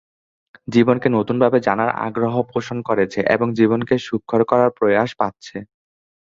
জীবনকে নতুনভাবে জানার আগ্রহ পোষণ করছে এবং জীবনকে সুখকর করার প্রয়াস পাচ্ছে।